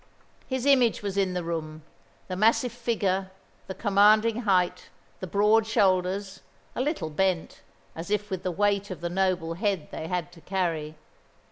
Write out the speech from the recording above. His image was in the room, the massive figure, the commanding height, the broad shoulders, a little bent, as if with the weight of the noble head they had to carry.